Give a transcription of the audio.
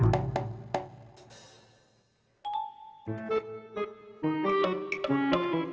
kita pergi ke ded jamthey sengup grid